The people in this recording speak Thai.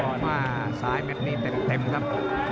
ก็ความร้ายแม่นที่เป็นเต็มครับ